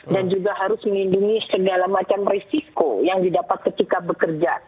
dan juga harus menghindungi segala macam risiko yang didapat ketika bekerja